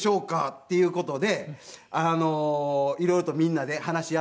っていう事で色々とみんなで話し合って。